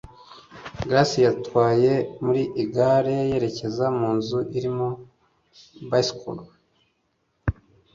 Grace yatwaye muri igare yerekeza munzu irimo Barclay